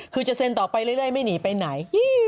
คือจะเซ็นต่อไปเรื่อยไม่หนีไปไหน